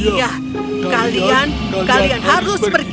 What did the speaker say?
ya kalian harus pergi